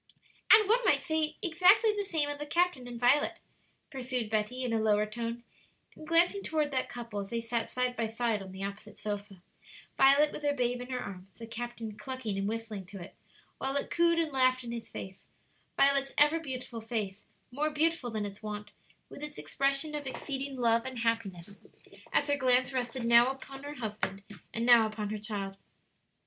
"And one might say exactly the same of the captain and Violet," pursued Betty, in a lower tone, and glancing toward that couple, as they sat side by side on the opposite sofa Violet with her babe in her arms, the captain clucking and whistling to it, while it cooed and laughed in his face Violet's ever beautiful face more beautiful than its wont, with its expression of exceeding love and happiness as her glance rested now upon her husband and now upon her child.